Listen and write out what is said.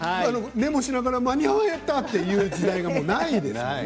メモしなかった間に合わなかったということはないですね。